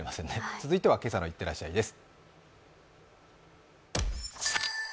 続いては「今朝のいってらっしゃい」です。